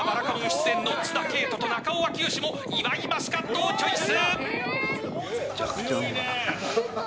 出演の綱啓永と中尾明慶も岩井マスカットをチョイス！